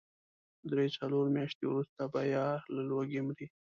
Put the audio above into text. درې، څلور مياشتې وروسته به يا له لوږې مري.